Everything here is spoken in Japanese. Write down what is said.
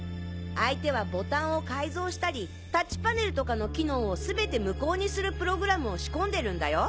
相手はボタンを改造したりタッチパネルとかの機能を全て無効にするプログラムを仕込んでるんだよ？